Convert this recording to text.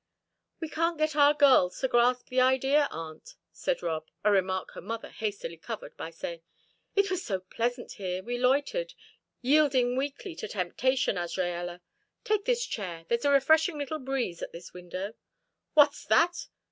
"We can't get our girls to grasp the idea, aunt," said Rob, a remark her mother hastily covered by saying: "It was so pleasant here we loitered, yielding weakly to temptation, Azraella. Take this chair; there's a refreshing little breeze at this window." "What's that?